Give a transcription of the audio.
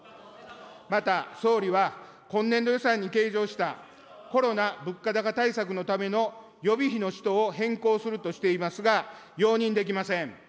また総理は、今年度予算に計上したコロナ・物価高対策のための予備費の使途を変更するとしていますが、容認できません。